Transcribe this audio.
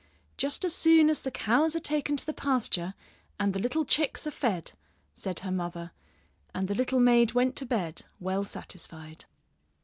"Just as soon as the cows are taken to the pasture, and the little chicks are fed," said her mother; and the little maid went to bed well satisfied.